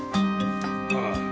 ああ。